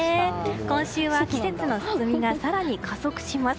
今週は季節の進みが更に加速します。